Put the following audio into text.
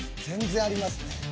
全然ありますね